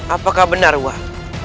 apakah benar wah